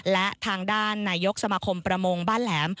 และทางด้านนายกสมาคมประมงบ้านแหลม